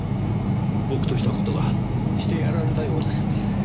僕とした事がしてやられたようですねぇ。